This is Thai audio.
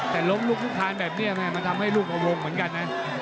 แต่ล้มลุกลุกคานแบบนี้แม่มันทำให้ลูกเอาวงเหมือนกันนะ